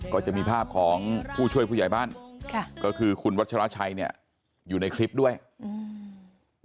ก็จะมีภาพของผู้ช่วยผู้ใหญ่บ้านค่ะก็คือคุณวัชราชัยเนี่ยอยู่ในคลิปด้วยอืม